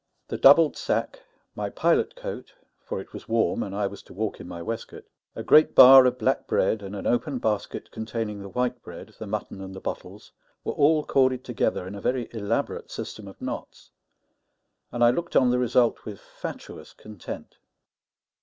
The doubled sack, my pilot coat (for it was warm, and I was to walk in my waistcoat), a great bar of black bread, and an open basket containing the white bread, the mutton, and the bottles, were all corded together in a very elaborate system of knots, and I looked on the result with fatuous content.